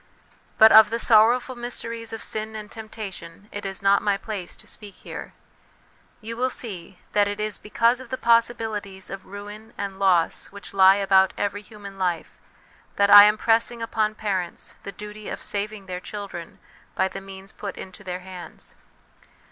But of the sorrowful mysteries of sin and temptation it is not my place to speak here ; you will see that it is because of the possibilities of ruin and loss which lie about every human life that I am pressing upon parents the duty of saving their children by the means put into their hands.